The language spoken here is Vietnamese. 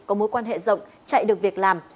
có mối quan hệ rộng chạy được việc làm